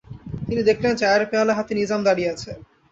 তিনি দেখলেন, চায়ের পেয়ালা হাতে নিজাম দাঁড়িয়ে আছে।